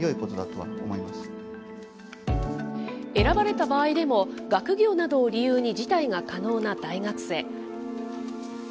選ばれた場合でも、学業などを理由に辞退が可能な大学生。